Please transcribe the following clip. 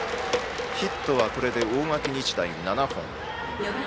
ヒットはこれで大垣日大、７本。